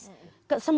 semakin sadis mereka